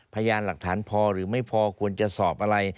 พยานหลักฐานพอหรือไม่พอควรจะสอบอะไร